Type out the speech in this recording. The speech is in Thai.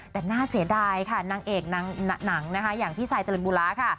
แต่น่าเสียดายค่ะนางเอกหนังนะคะอย่างพี่ซายเจริญบูระค่ะ